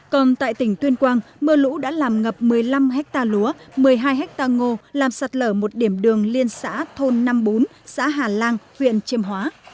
còn tại tỉnh tuyên quang mưa lũ đã làm ngập một mươi năm hectare lúa một mươi hai hectare ngô làm sạt lở một điểm đường liên xã thôn năm mươi bốn xã hà lan huyện chiêm hóa